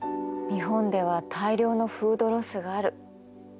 日本では大量のフードロスがある。